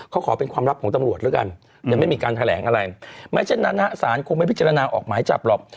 เขาขอเป็นความลับของตำรวจแล้วกันยังไม่มีการแถลงอะไรไม่เช่นนั้นฮะสารคงไม่พิจารณาออกหมายจับหรอก